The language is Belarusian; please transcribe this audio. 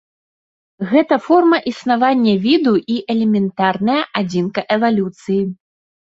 Гэта форма існавання віду і элементарная адзінка эвалюцыі.